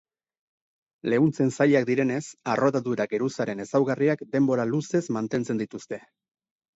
Leuntzen zailak direnez arrodadura-geruzaren ezaugarriak denbora luzez mantentzen dituzte.